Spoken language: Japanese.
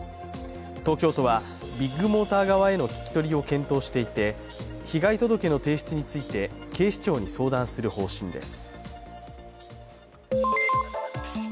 東京都はビッグモーター側への聞き取りを検討していて被害届の提出について警視庁に相談する方針です。